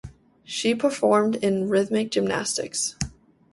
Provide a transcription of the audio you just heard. She performed in rhythmic gymnastics.